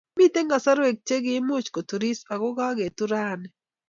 Mitei kasarwek che kiimuch koturis ako kaketur rani